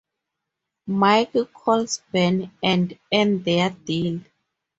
Mike calls Ben and end their deal.